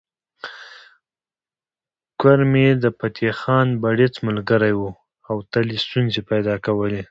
کرمي د فتح خان بړيڅ ملګری و او تل یې ستونزې پيدا کولې